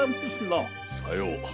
さよう。